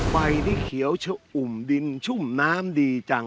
ใบที่เขียวชะอุ่มดินชุ่มน้ำดีจัง